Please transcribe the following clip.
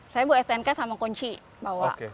saya bu stnk sama kunci bawa